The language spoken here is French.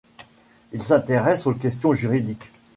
Il s'intéresse aux questions juridiques.